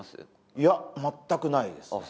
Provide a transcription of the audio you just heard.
いや全くないですねあっ